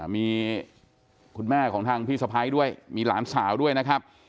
มีคุณแม่ของทางพี่สะพ้ายด้วยมีหลานสาวด้วยนะครับ